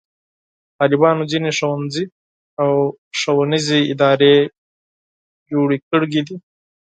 طالبانو ځینې ښوونځي او ښوونیزې ادارې جوړې کړې دي.